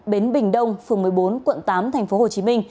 bến bình đông phường một mươi bốn quận tám tp hcm